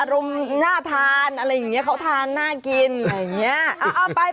รุมน่าทานอะไรอย่างนี้เขาทานน่ากินอะไรอย่างนี้